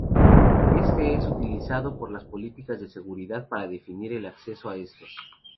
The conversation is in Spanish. Éste es utilizado por las políticas de seguridad para definir el acceso a estos.